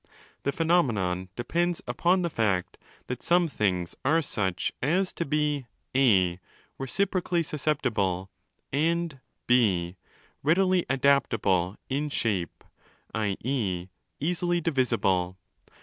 The phenomenon depends upon the fact that some things are such as to be (4) reci procally susceptible and (6) readily adaptable in shape, i.e. easily divisible.